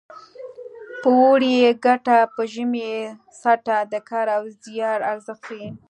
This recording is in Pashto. په اوړي یې ګټه په ژمي یې څټه د کار او زیار ارزښت ښيي